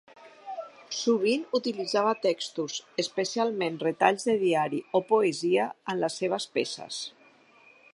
Sovint utilitzava textos, especialment retalls de diari o poesia, en les seves peces.